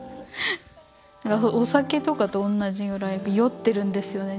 お酒とかと同じぐらい酔ってるんですよね